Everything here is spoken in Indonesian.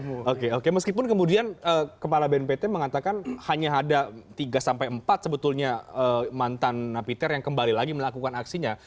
oke oke meskipun kemudian kepala bnpt mengatakan hanya ada tiga sampai empat sebetulnya mantan napiter yang kembali lagi melakukan aksinya